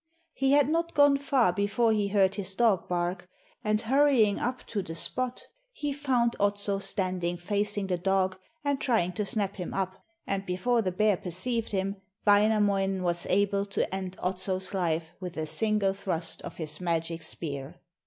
He had not gone far before he heard his dog bark, and hurrying up to the spot he found Otso standing facing the dog and trying to snap him up, and before the bear perceived him, Wainamoinen was able to end Otso's life with a single thrust of his magic spear.